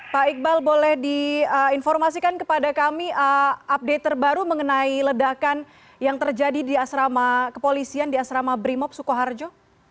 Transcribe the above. pak iqbal boleh diinformasikan kepada kami update terbaru mengenai ledakan yang terjadi di asrama kepolisian di asrama brimob sukoharjo